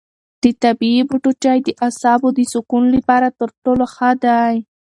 د طبیعي بوټو چای د اعصابو د سکون لپاره تر ټولو ښه دی.